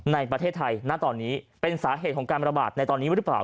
ในประเทศไทยณตอนนี้เป็นสาเหตุของการระบาดในตอนนี้หรือเปล่า